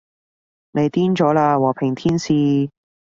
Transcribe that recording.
你癲咗喇，和平天使